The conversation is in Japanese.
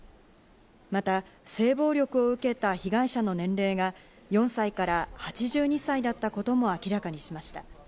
また、暴力を受けた被害者の年齢が４歳から８２歳だったことも明らかにしました。